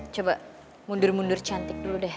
coba mundur mundur cantik dulu deh